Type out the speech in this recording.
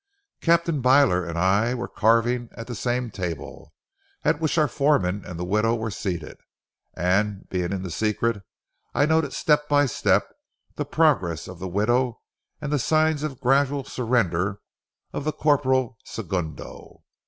Captain Byler and I were carving at the same table at which our foreman and the widow were seated, and, being in the secret, I noted step by step the progress of the widow, and the signs of gradual surrender of the corporal segundo.